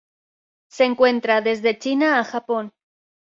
Se encuentra desde China a Japón.